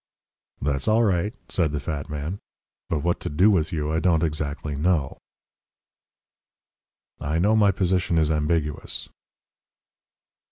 "That's all right," said the fat man. "But what to do with you I don't exactly know." "I know my position is ambiguous."